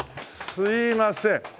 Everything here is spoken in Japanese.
すいません。